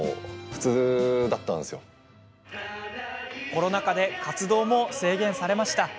コロナ禍で活動も制限されました。